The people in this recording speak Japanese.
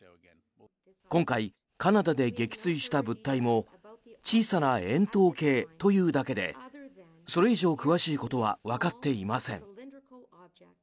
今回、カナダで撃墜した物体も小さな円筒形というだけでそれ以上詳しいことはわかっていません。